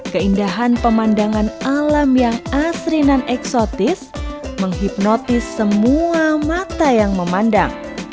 keindahan pemandangan alam yang asri dan eksotis menghipnotis semua mata yang memandang